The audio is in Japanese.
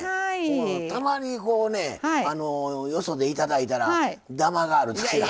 たまにこうねよそで頂いたらダマがあるときがあってね。